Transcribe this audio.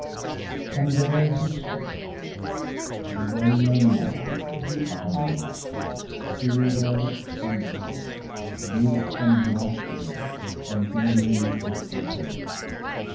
And there he stood, the well known man, the ironmaster, Theodore Fristeat, big and black bearded, and beaming with good will.